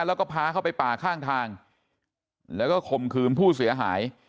แล้วก็พาเข้าไปป่าข้างทางแล้วก็คมคืนผู้เสียหาย